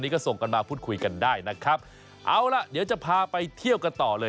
ก็ส่งกันมาพูดคุยกันได้นะครับเอาล่ะเดี๋ยวจะพาไปเที่ยวกันต่อเลย